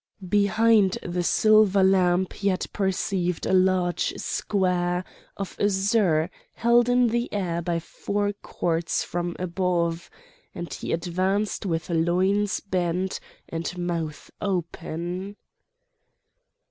Behind the silver lamp he had perceived a large square of azure held in the air by four cords from above, and he advanced with loins bent and mouth open.